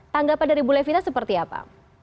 tanggapan dari bu levina seperti apa